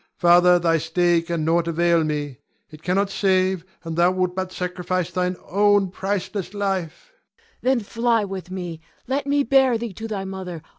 Father, thy stay can nought avail me. It cannot save, and thou wilt but sacrifice thine own priceless life. Cleon. Then fly with me; let me bear thee to thy mother.